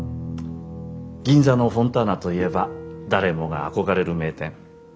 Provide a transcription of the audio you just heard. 銀座のフォンターナといえば誰もが憧れる名店。